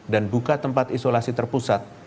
dan buka tempat isolasi terpusat